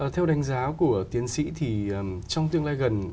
theo đánh giá của tiến sĩ thì trong tương lai gần